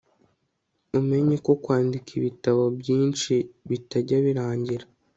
umenye ko kwandika ibitabo byinshi bitajya birangira